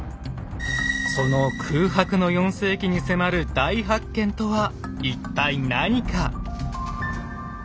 その空白の４世紀に迫る大発見とは一体何か。